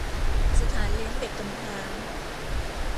สถานเลี้ยงเด็กกำพร้า